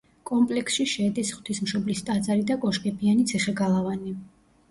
კომპლექსში შედის: ღვთისმშობლის ტაძარი და კოშკებიანი ციხე-გალავანი.